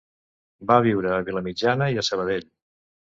Va viure a Vilamitjana i a Sabadell.